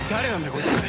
こいつ。